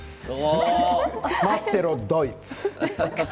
待ってろ、ドイツ！